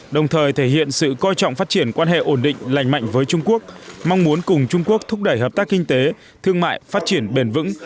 đồng thời thể hiện sự coi trọng phát triển quan hệ ổn định lành mạnh với trung quốc mong muốn cùng trung quốc thúc đẩy hợp tác kinh tế thương mại phát triển bền vững